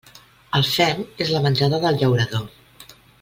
El fem és la menjada del llaurador.